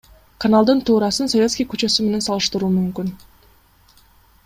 Каналдын туурасын Советский көчөсү менен салыштыруу мүмкүн.